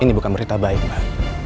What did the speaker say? ini bukan berita baik pak